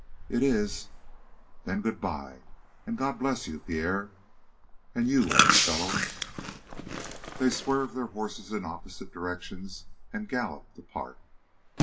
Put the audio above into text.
"It is." "Then good bye again, and God bless you, Pierre." "And you, old fellow." They swerved their horses in opposite directions and galloped apart.